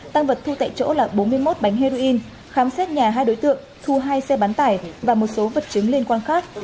tăng vật thu tại chỗ là bốn mươi một bánh heroin khám xét nhà hai đối tượng thu hai xe bán tải và một số vật chứng liên quan khác